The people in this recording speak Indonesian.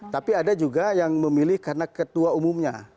tapi ada juga yang memilih karena ketua umumnya